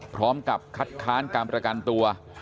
พร้อมกับคัดค้านการประกันตัว